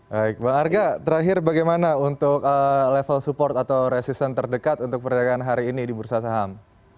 baik bang arga terakhir bagaimana untuk level support atau resistance terdekat untuk perdagangan hari ini di bursa saham